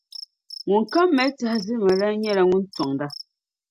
ŋunkam mali tɛhizilimalana nyɛla ŋun tɔŋda.